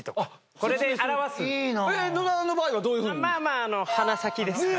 まあまああの鼻先ですかね。